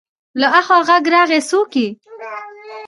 له اخوا غږ راغی: څوک يې؟